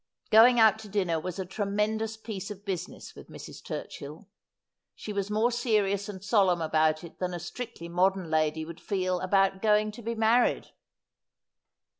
Going out to dinner was a tremendous piece of business with Mrs. Turchill. She was more serious and solemn about it than a strictly modern lady would feel about going to be married.